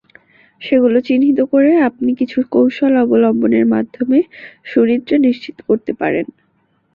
সেগুলো চিহ্নিত করে আপনি কিছু কৌশল অবলম্বনের মাধ্যমে সুনিদ্রা নিশ্চিত করতে পারেন।